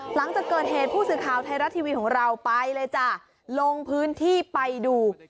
หลังจากเกิดเหตุผู้สื่อข่าวไทยรัฐทีวีของเราไปเลยจ้ะลงพื้นที่ไปดู